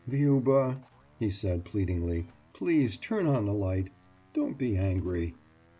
« »Liuba,« he said, pleadingly, »please turn on the light. Don't be angry.